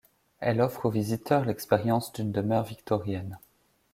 Elle offre aux visiteurs l'expérience d'une demeure victorienne.